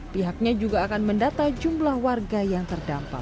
pihaknya juga akan mendata jumlah warga yang terdampak